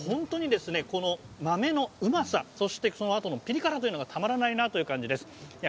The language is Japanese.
豆のうまさ、そのあとのピリ辛さがたまらないなという感じです。